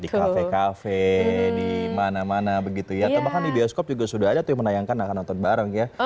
di kafe kafe di mana mana begitu ya atau bahkan di bioskop juga sudah ada tuh yang menayangkan akan nonton bareng ya